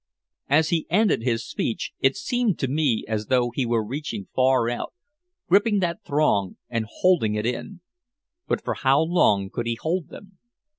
'" As he ended his speech, it seemed to me as though he were reaching far out, gripping that throng and holding it in. But for how long could he hold them?